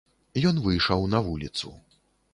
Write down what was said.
Ён выйшаў на вуліцу.